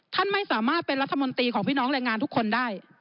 ท่านไม่สามารถเป็นรัฐมนตรีของพี่น้องแรงงานทุกคนได้